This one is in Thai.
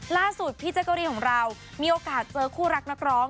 ล่าสุดพี่แจ๊กกะรีนของเรามีโอกาสเจอคู่รักนักร้อง